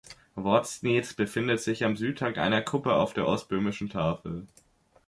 Hvozdnice befindet sich am Südhang einer Kuppe auf der Ostböhmischen Tafel.